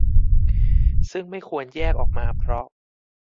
ซึ่งไม่ควรแยกออกมาเพราะ